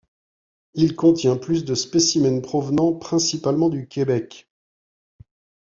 Il contient plus de spécimens provenant principalement du Québec.